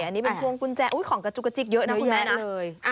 อันนี้มันควงกุญแจอุ๊ยของกระจุกระจิกเยอะนะคุณแม่นะ